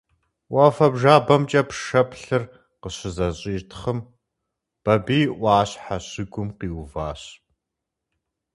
Уафэ джабэмкӀэ пшэплъыр къыщызэщӀитхъым, Бабий Ӏуащхьэ щыгум къиуващ.